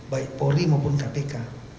baik polri maupun kpk